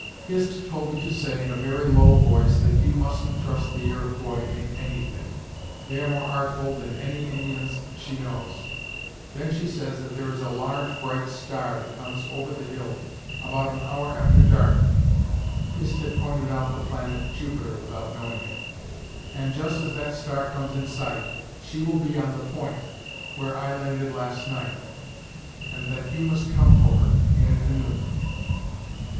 "Hist told me to say, in a very low voice, that you mustn't trust the Iroquois in anything. They are more artful than any Indians she knows. Then she says that there is a large bright star that comes over the hill, about an hour after dark" Hist had pointed out the planet Jupiter, without knowing it "and just as that star comes in sight, she will be on the point, where I landed last night, and that you must come for her, in a canoe."